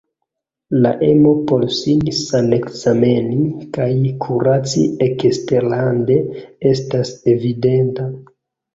La emo por sin sanekzameni kaj kuraci eksterlande estas evidenta.